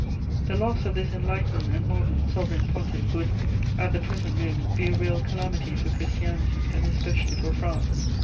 The loss of this enlightened and modern Sovereign Pontiff would, at the present moment, be a real calamity for Christianity and especially for France.